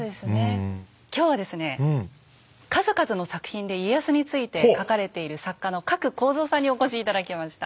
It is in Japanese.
今日はですね数々の作品で家康について書かれている作家の加来耕三さんにお越し頂きました。